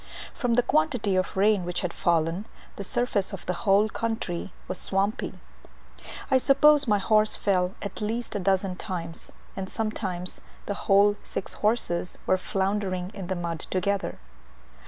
From the quantity of rain which had fallen, the surface of the whole country was swampy. I suppose my horse fell at least a dozen times, and sometimes the whole six horses were floundering in the mud together.